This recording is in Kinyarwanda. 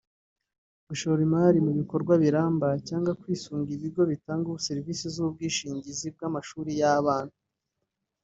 gushora imari mu bikorwa biramba cyangwa kwisunga ibigo bitanga serivisi z’ubwishingizi bw’amashuri y’abana